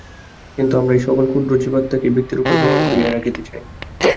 কিন্তু আমরা এই-সকল ক্ষুদ্র জীবাত্মাকেই ব্যক্তিরূপে গ্রহণ করিয়া রাখিতে চাই।